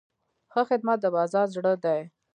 ښه خدمت د بازار زړه دی.